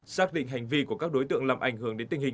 xác định hành vi của các đối tượng làm ảnh hưởng đến tình hình